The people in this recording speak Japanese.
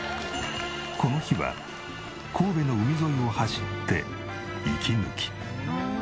この日は神戸の海沿いを走って息抜き。